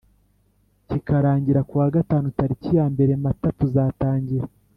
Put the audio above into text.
kikarangira ku wa gatanu tariki ya mbere Mata tuzatangira